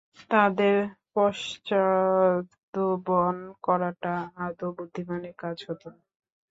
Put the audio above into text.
তাদের পশ্চাদ্ধাবন করাটা আদৌ বুদ্ধিমানের কাজ হত না।